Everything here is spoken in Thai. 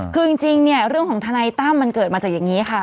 คือจริงเนี่ยเรื่องของทนายตั้มมันเกิดมาจากอย่างนี้ค่ะ